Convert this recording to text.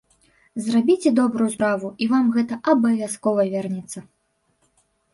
Зрабіце добрую справу і вам гэта абавязкова вернецца!